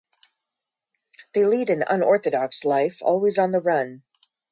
They lead an unorthodox life, always on the run.